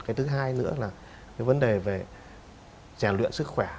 cái thứ hai nữa là cái vấn đề về rèn luyện sức khỏe